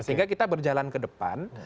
sehingga kita berjalan ke depan